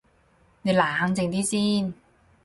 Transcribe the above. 你冷靜啲先